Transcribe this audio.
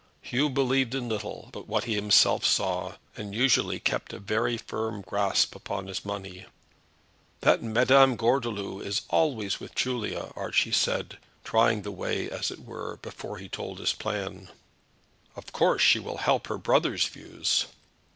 Hugh believed in little but what he himself saw, and usually kept a very firm grasp upon his money. "That Madame Gordeloup is always with Julia," Archie said, trying the way, as it were, before he told his plan. "Of course she will help her brother's views."